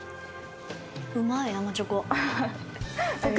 うまい、生チョコ。